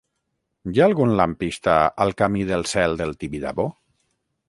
Hi ha algun lampista al camí del Cel del Tibidabo?